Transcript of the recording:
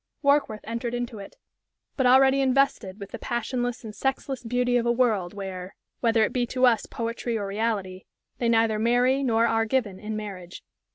Warkworth entered into it, but already invested with the passionless and sexless beauty of a world where whether it be to us poetry or reality "they neither marry nor are given in marriage."